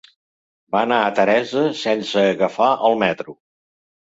Va anar a Teresa sense agafar el metro.